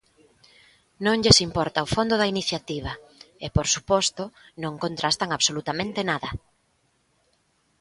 Non lles importa o fondo da iniciativa e, por suposto, non contrastan absolutamente nada.